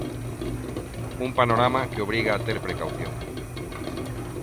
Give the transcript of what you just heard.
Un panorama que obriga a ter precaución.